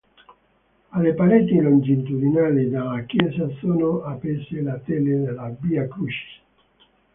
Alle pareti longitudinali della chiesa sono appese le tele della Via Crucis.